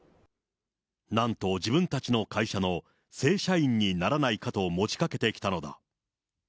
なんと、自分たちの会社の正社員にならないかと持ちかけてきたのだ。